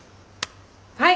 はい！